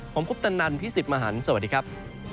ผมคุปตันนันพี่สิทธิ์มหันฯสวัสดีครับ